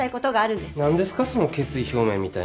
何ですかその決意表明みたいな。